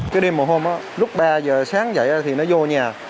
cái đêm một hôm lúc ba giờ sáng dậy thì nó vô nhà